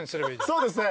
そうですね。